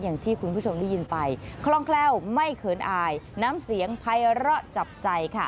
อย่างที่คุณผู้ชมได้ยินไปคล่องแคล่วไม่เขินอายน้ำเสียงภัยร้อจับใจค่ะ